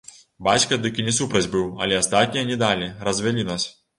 Бацька дык і не супраць быў, але астатнія не далі, развялі нас.